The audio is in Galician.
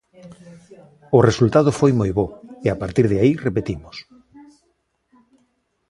O resultado foi moi bo e, a partir de aí, repetimos.